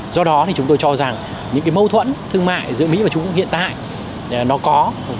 do đó thì chúng tôi cho rằng những mâu thuẫn thương mại giữa mỹ và trung quốc hiện tại nó có